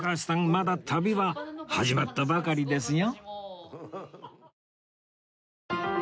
まだ旅は始まったばかりですよ